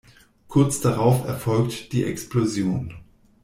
Kurz darauf erfolgt die Explosion.